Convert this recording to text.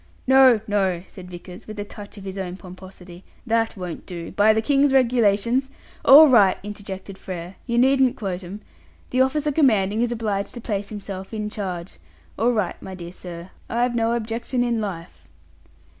"No, no," said Vickers, with a touch of his old pomposity, "that won't do. By the King's Regulations " "All right," interjected Frere, "you needn't quote 'em. 'The officer commanding is obliged to place himself in charge' all right, my dear sir. I've no objection in life."